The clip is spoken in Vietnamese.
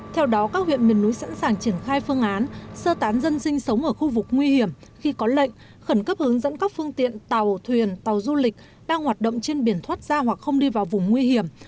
theo đó các huyện miền núi sẵn sàng triển khai phương án sơ tán dân sinh sống ở khu vực nguy hiểm khi có lệnh khẩn cấp hướng dẫn các phương tiện tàu thuyền tàu du lịch đang hoạt động trên biển thoát ra hoặc không đi vào vùng nguy hiểm